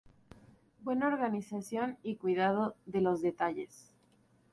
Buena organización y cuidado de los detalles.